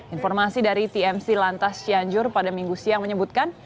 informasi dari tmc lantas cianjur pada minggu siang menyebutkan